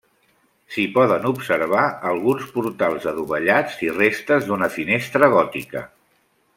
S'hi poden observar alguns portals adovellats i restes d'una finestra gòtica.